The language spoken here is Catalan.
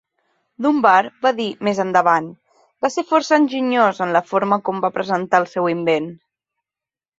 Dunbar va dir més endavant: "Va ser força enginyós en la forma com va presentar el seu invent".